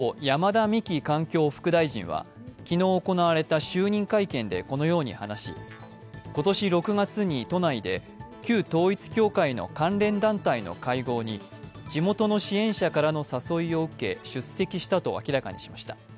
一方、山田美樹環境副大臣は昨日行われた就任会見でこのように話し、今年６月に都内で旧統一教会の関連団体の会合に地元の支援者からの誘いを受け、出席したと明らかにしました。